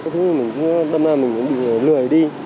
cái thứ mình đâm ra mình cũng bị lười đi